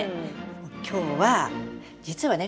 今日は実はね